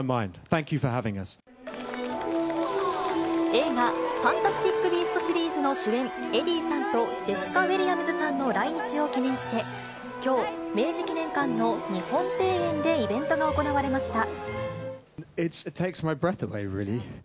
映画、ファンタスティック・ビーストシリーズの主演、エディさんと、ジェシカ・ウェリアムズさんの来日を記念して、きょう、明治記念館の日本庭園でイベントが行われました。